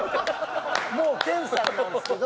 もう研さんなんですけど。